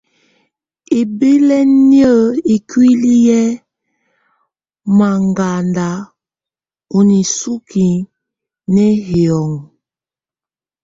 Ibílə́ninə̌ ikuili yɛ manŋgada ɔ nisuki nɛ hiɔnŋɔ t.